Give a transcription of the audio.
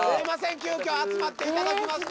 急きょ集まっていただきまして。